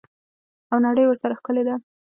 او نړۍ ورسره ښکلې ده.